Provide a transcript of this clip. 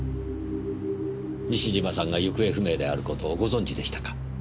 西島さんが行方不明である事をご存じでしたか。